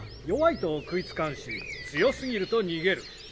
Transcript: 弱いと食いつかんし強すぎると逃げる。